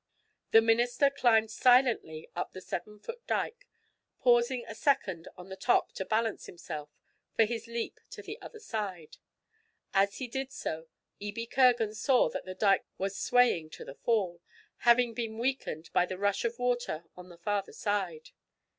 The minister climbed silently up the seven foot dyke, pausing a second on the top to balance himself for his leap to the other side. As he did so Ebie Kirgan saw that the dyke was swaying to the fall, having been weakened by the rush of water on the farther side.